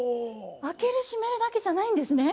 開ける閉めるだけじゃないんですね？